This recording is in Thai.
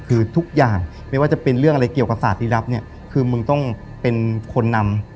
คือทุกอย่างไม่ว่าจะเป็นเรื่องอะไรเกี่ยวกับศาสตรีรับเนี่ยคือมึงต้องเป็นคนนำ